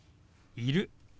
「いる」。